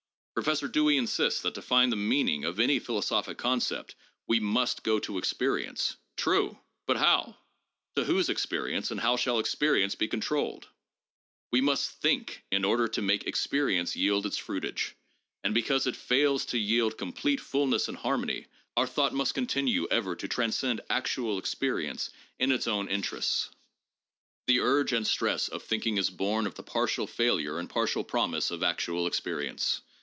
Professor Dewey insists that to find the meaning of any philosophic concept we must go to experience. True! but how? to whose experience? and how shall experience be controlled? We must think in order to make experience yield its fruitage, and be cause it fails to yield complete fullness and harmony our thought must continue ever to transcend actual experience in its own inter 5 Ibid., Vol. II., p. 393, ff. PSYCHOLOGY AND SCIENTIFIC METHODS 177 ests. The urge and stress of thinking is born of the partial failure and partial promise of actual experience.